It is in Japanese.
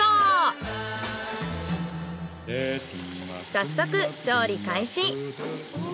早速調理開始。